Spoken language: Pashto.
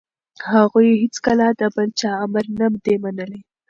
هغوی هیڅکله د بل چا امر نه دی منلی.